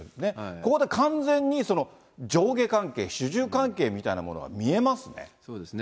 ここで完全に上下関係、主従関係みたいなものが見えますね。